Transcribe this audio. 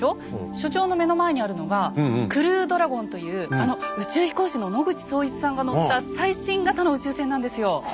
所長の目の前にあるのが「クルードラゴン」というあの宇宙飛行士の野口聡一さんが乗った最新型の宇宙船なんですよ。